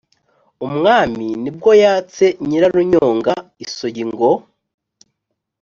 umwami, ni bwo yatse nyirarunyonga isogi ngo